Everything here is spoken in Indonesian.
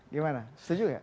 gimana setuju ya